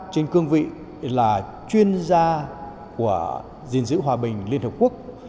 trên cương vị là chuyên gia của dình dữ hòa bình liên hợp quốc